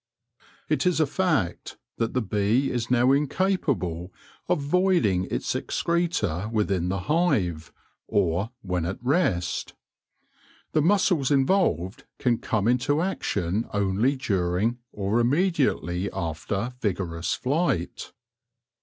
It is a fact that the bee is now incapable of voiding its excreta within the hive, or when at rest. The muscles involved can come into action only during, or immediately after, vigorous flight.